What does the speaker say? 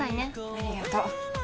ありがとう